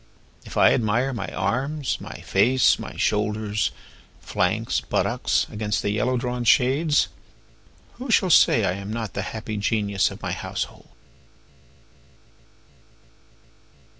If I admire my arms, my face, my shoulders, flanks, buttocks against the yellow drawn shades, Who shall say I am not the happy genius of my household?